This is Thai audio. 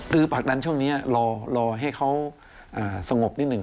คือผลักดันช่วงนี้รอให้เขาสงบนิดหนึ่ง